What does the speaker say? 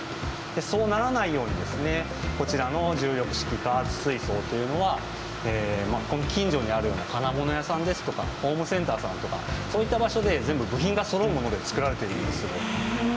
そうならないようにですねこちらの重力式加圧水槽というのはこの近所にある金物屋さんですとかホームセンターさんとかそういった場所で全部部品がそろうもので造られてるんですよ。